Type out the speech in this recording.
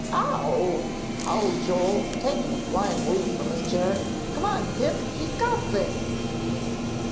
"Ow!" howled Joel, taking a flying leap from his chair. "Come on, Pip, she's got things!"